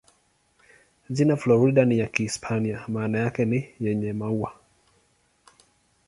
Jina la Florida ni ya Kihispania, maana yake ni "yenye maua".